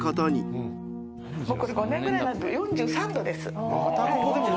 ５年ぐらいになると４３度です。